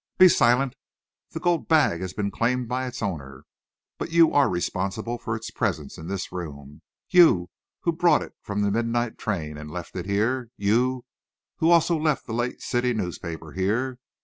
"Be silent! The gold bag has been claimed by its owner. But you are responsible for its presence in this room! You, who brought it from the midnight train, and left it here! You, who also left the late city newspaper here!